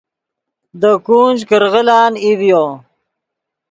دے گونج کرغیلان ای ڤیو